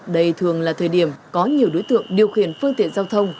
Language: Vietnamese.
đây thường là thời điểm có nhiều đối tượng điều khiển phương tiện giao thông